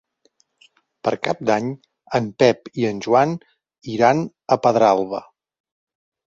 Per Cap d'Any en Pep i en Joan iran a Pedralba.